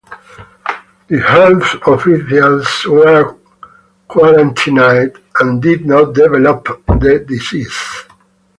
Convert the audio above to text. The health officials were quarantined and did not develop the disease.